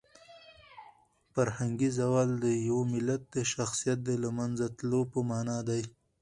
فرهنګي زوال د یو ملت د شخصیت د لمنځه تلو په مانا دی.